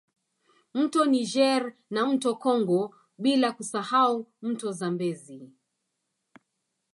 Mto Niger na mto Congo bila kusahau mto Zambezi